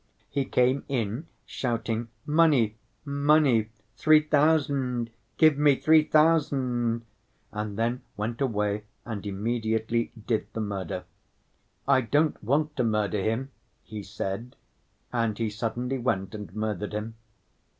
He came in shouting, 'Money, money, three thousand! Give me three thousand!' and then went away and immediately did the murder. 'I don't want to murder him,' he said, and he suddenly went and murdered him.